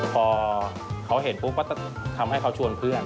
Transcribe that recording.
พอเขาเห็นปุ๊บก็จะทำให้เขาชวนเพื่อน